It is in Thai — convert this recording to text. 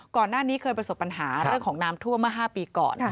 ก่อนหน้านี้เคยประสบปัญหาเรื่องของน้ำท่วมเมื่อ๕ปีก่อน